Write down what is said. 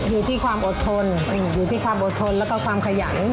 อยู่ที่ความอดทนอยู่ที่ความอดทนแล้วก็ความขยัน